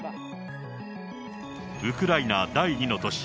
ウクライナ第２の都市